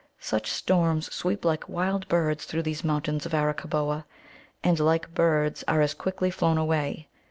Such storms sweep like wild birds through these mountains of Arakkaboa, and, like birds, are as quickly flown away.